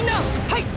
はい！